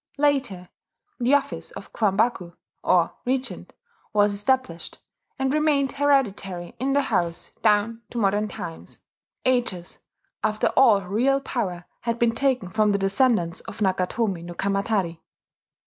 Later the office of Kwambaku, or Regent, was established, and remained hereditary in the house down to modern times ages after all real power had been taken from the descendants of Nakatomi no Kamatari.